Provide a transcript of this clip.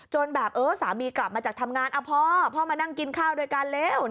แบบเออสามีกลับมาจากทำงานพ่อพ่อมานั่งกินข้าวด้วยกันเร็ว